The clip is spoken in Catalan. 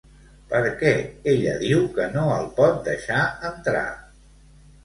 Per què ella diu que no el pot deixar entrar?